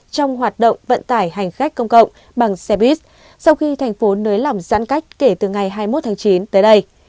trong hoạt động vận tải hành khách công cộng bằng xe buýt sau khi thành phố nới lỏng giãn cách kể từ ngày hai mươi một tháng chín tới đây